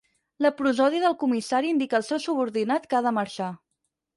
La prosòdia del comissari indica el seu subordinat que ha de marxar.